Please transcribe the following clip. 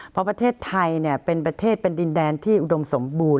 เพราะประเทศไทยเป็นประเทศเป็นดินแดนที่อุดมสมบูรณ